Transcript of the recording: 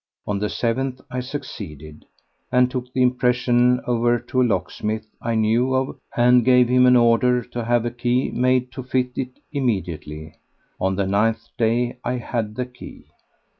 On the seventh I succeeded, and took the impression over to a locksmith I knew of, and gave him an order to have a key made to fit it immediately. On the ninth day I had the key.